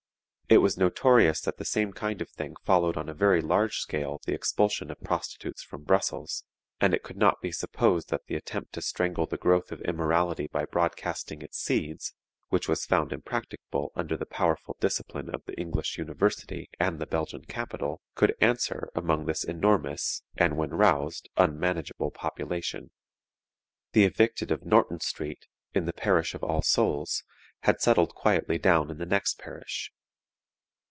It was notorious that the same kind of thing followed on a very large scale the expulsion of prostitutes from Brussels, and it could not be supposed that the attempt to strangle the growth of immorality by broadcasting its seeds, which was found impracticable under the powerful discipline of the English University and the Belgian capital, could answer among this enormous, and when roused, unmanageable population. The evicted of Norton Street, in the parish of All Souls, had settled quietly down in the next parish.